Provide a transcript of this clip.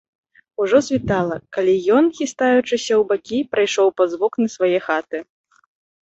Ужо світала, калі ён, хістаючыся ў бакі, прайшоў паўз вокны свае хаты.